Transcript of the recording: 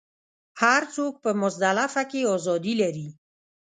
هر څوک په مزدلفه کې ازادي لري.